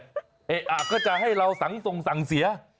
เอ๊ะก็จะให้เราสังทรงสั่งเสีย